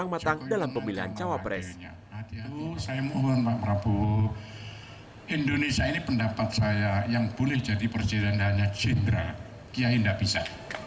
saya mohon pak prabowo indonesia ini pendapat saya yang boleh jadi presiden dan hanya cindera kiai tidak bisa